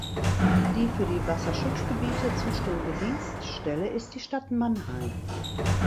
Die für die Wasserschutzgebiete zuständige Dienststelle ist die Stadt Mannheim.